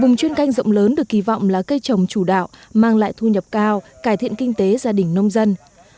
vùng chuyên canh rộng lớn được kỳ vọng là cây trồng chủ đạo mang lại thu nhập cao cải thiện kinh tế gia đình nông dân